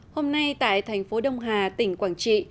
hôm nay tại thành phố đông hà tỉnh quảng trị